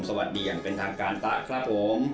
สวัสดีอย่างเป็นทางการตะครับผม